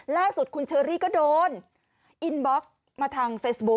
ล่าสุดคุณเชอรี่ก็โดนอินบล็อกซ์มาทางเฟซบุ๊ค